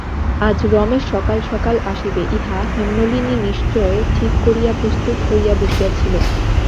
আজ রমেশ সকাল-সকাল আসিবে, ইহা হেমনলিনী নিশ্চয় ঠিক করিয়া প্রস্তুত হইয়া বসিয়া ছিল।